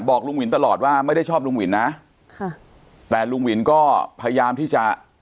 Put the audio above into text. บอกลุงวินตลอดว่าไม่ได้ชอบลุงวินนะค่ะแต่ลุงวินก็พยายามที่จะ